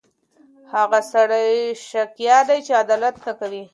هغه سړی شقیه دی چې عدالت نه کوي.